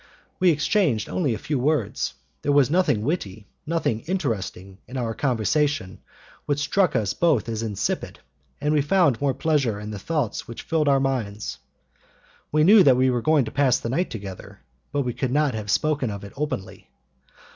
We exchanged only a few words, there was nothing witty, nothing interesting in our conversation, which struck us both as insipid, and we found more pleasure in the thoughts which filled our minds. We knew that we were going to pass the night together, but we could not have spoken of it openly.